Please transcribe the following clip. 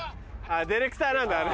ディレクターなんだあれ。